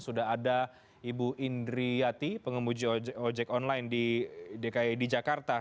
sudah ada ibu indri yati pengemudi ojek online di dki di jakarta